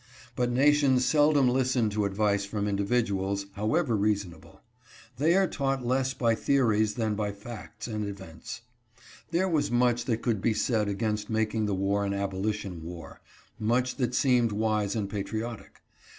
But nations seldom listen to advice from individuals, however reasonable. They are taught less by theories than by facts and events. There was much that could be said against making the war an abolition war — much that seemed wise and patriotic.